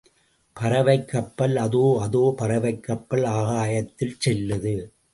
பறவைக் கப்பல் அதோ, அதோ பறவைக் கப்பல், ஆகாயத்தில் செல்லுது!